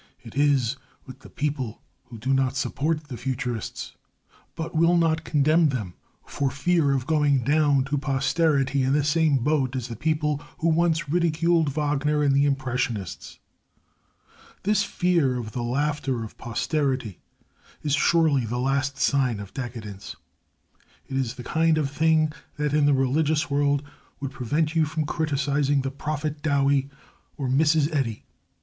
It is with the people who do not support the Futurists, but will not condemn them for fear of going down to posterity in the same boat as the people who once ridiculed Wagner and the Impressionists. This fear of the laughter of posterity is surely the last sign of decadence. It is the kind of thing that, in the religious world, would prevent you from criticising the Prophet Dowie or Mrs Eddy.